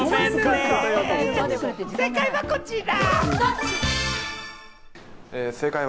正解はこちら。